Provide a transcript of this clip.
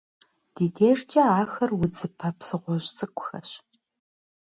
Ди дежкӏэ ахэр удзыпэ псыгъуэжь цӏыкӏухэщ.